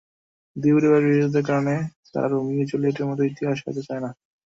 দুই পরিবারের বিরোধের কারণে তারা রোমিও-জুলিয়েটের মতো ইতিহাস হতে চায় না।